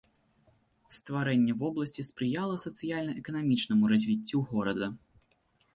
Стварэнне вобласці спрыяла сацыяльна-эканамічнаму развіццю горада.